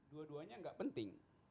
dua duanya enggak penting